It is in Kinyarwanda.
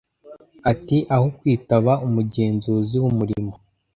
Ati “Aho kwitaba umugenzuzi w’umurimo